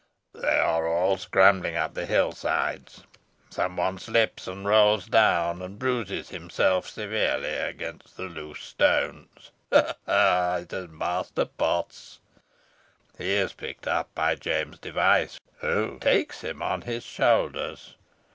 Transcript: They are all scrambling up the hill sides. Some one slips, and rolls down, and bruises himself severely against the loose stones. Ho! ho! it is Master Potts. He is picked up by James Device, who takes him on his shoulders.